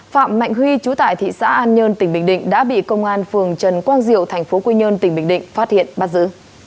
phạm mạnh huy chú tại thị xã an nhơn tỉnh bình định đã bị công an phường trần quang diệu tp hcm phát hiện bắt giữ